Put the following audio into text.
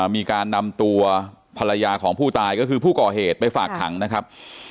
มีการนำตัวภรรยาของผู้ตายก็คือผู้ก่อเหตุไปฝากขังนะครับ